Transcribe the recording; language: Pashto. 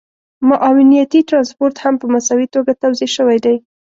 معاونيتي ټرانسپورټ هم په مساوي توګه توزیع شوی دی